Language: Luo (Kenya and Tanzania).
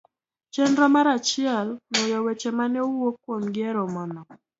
Chenro mar achiel. Nwoyo weche ma ne owuo kuomgi e romono